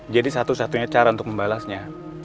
jadi satu satunya cara untuk membalasnya